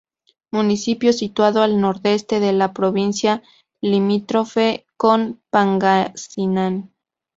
Municipio situado al nordeste de la provincia limítrofe con Pangasinán.